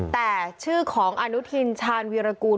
แต่ชื่อของอนุทินชาญวีรกูล